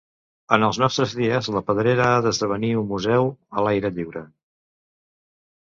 En els nostres dies, la pedrera ha d'esdevenir un museu a l'aire lliure.